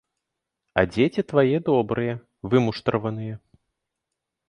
А дзеці твае добрыя, вымуштраваныя.